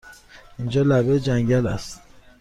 اینجا لبه جنگل است!